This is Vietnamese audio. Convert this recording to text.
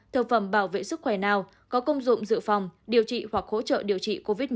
thực phẩm bảo vệ sức khỏe nào có công dụng dự phòng điều trị hoặc hỗ trợ điều trị covid một mươi chín